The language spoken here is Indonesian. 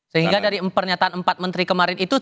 sehingga dari pernyataan empat menteri kemarin itu